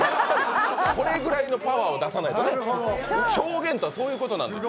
これぐらいのパワーを出さないとね、表現とはそういうことなのよ。